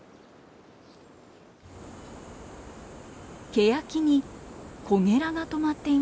ケヤキにコゲラが止まっていました。